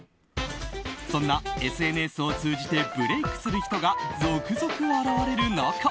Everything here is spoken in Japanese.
そんなＳＮＳを通じてブレークする人が続々現れる中